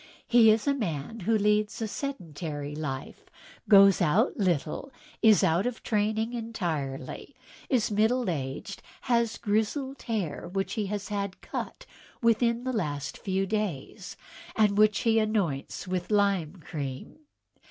"He is a man who leads a sedentary life, goes out little, is out of training entirely, is middle aged, has grizzled hair which he has had cut within the last few days, and which he anoints with lime cream.